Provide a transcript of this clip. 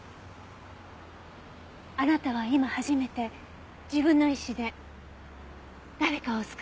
あなたは今初めて自分の意思で誰かを救おうとしている。